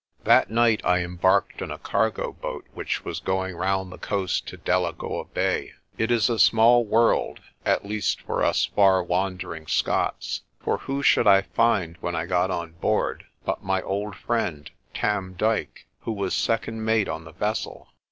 That night I embarked on a cargo boat which was going round the coast to Delagoa Bay. It is a small world at least for us far wandering Scots. For who should I find when I got on board but my old friend, Tarn Dyke, who was second mate on the vessel?